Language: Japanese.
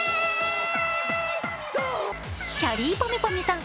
きゃりーぱみゅぱみゅさん